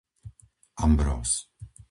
Ambróz